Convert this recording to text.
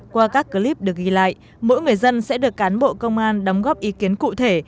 qua các clip được ghi lại mỗi người dân sẽ được cán bộ công an đóng góp ý kiến cụ thể